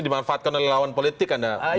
dimanfaatkan oleh lawan politik